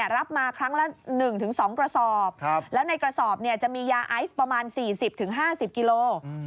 รับมาครั้งละ๑๒กระสอบแล้วในกระสอบจะมียาไอซ์ประมาณ๔๐๕๐กิโล